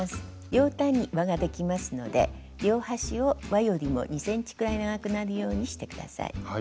両端にわができますので両端をわよりも２ｃｍくらい長くなるようにして下さい。